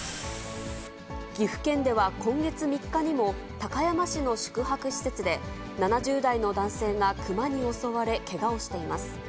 岐阜県では今月３日にも、高山市の宿泊施設で、７０代の男性がクマに襲われ、けがをしています。